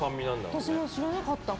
私も知らなかった。